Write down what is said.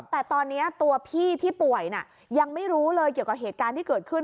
แต่ตอนนี้ตัวพี่ที่ป่วยยังไม่รู้เลยเกี่ยวกับเหตุการณ์ที่เกิดขึ้น